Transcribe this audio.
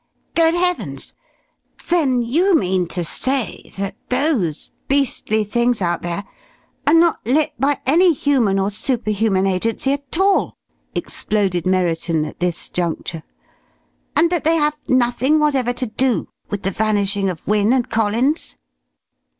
"Good Heavens! Then you mean to say that those beastly things out there are not lit by any human or superhuman agency at all!" exploded Merriton at this juncture. "And that they have nothing whatever to do with the vanishing of Wynne and Collins?"